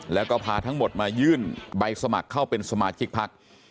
แล้วก็พาทั้งหมดมายื่นใบสมัครเข้าเป็นสมาชิกพัก